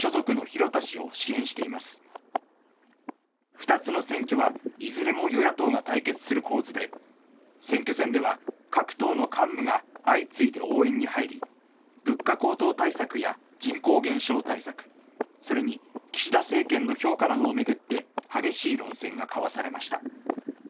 ２つの選挙は、いずれも与野党が対決する構図で、選挙戦では各党の幹部が相次いで応援に入り、物価高騰対策や人口減少対策、それに岸田政権の評価などを巡って激しい論戦が交わされました。